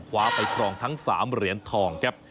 คว้าไปครองทั้ง๓เหรียญทองครับ